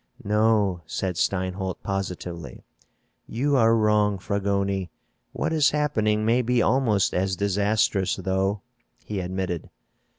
"No," said Steinholt positively. "You are wrong, Fragoni. What is happening may be almost as disastrous, though," he admitted.